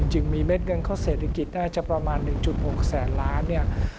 จึงมีเม็ดเงินเข้าเศรษฐกิจน่าจะประมาณ๑๖แสนล้านเนี่ย